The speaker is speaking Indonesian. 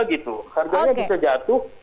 gitu harganya bisa jatuh